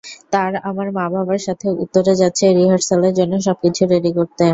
তারা আমার মা-বাবার সাথে উত্তরে যাচ্ছে রিহার্সালের জন্য সবকিছু রেডি করতে।